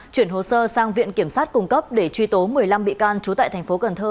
chuyển hồ sơ sang viện kiểm sát cung cấp để truy tố một mươi năm bị can trú tại thành phố cần thơ